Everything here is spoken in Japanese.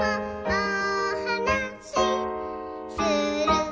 おはなしする」